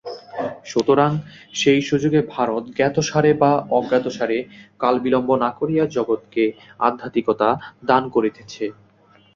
সুতরাং এই সুযোগে ভারত জ্ঞাতসারে বা অজ্ঞাতসারে কালবিলম্ব না করিয়া জগৎকে আধ্যাত্মিকতা দান করিতেছে।